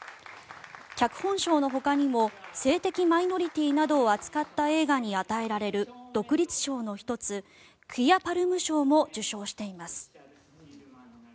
脚本賞のほかにも性的マイノリティーなどを扱った映画に与えられる独立賞の１つクィア・パルム賞も受賞しています。